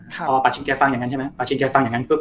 ครับพอปัชชินแก่ฟังอย่างงั้นใช่ไหมปัชชินแก่ฟังอย่างงั้นปุ๊บ